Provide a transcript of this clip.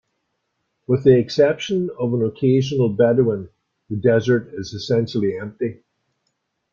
With the exception of an occasional Bedouin, the desert is essentially empty.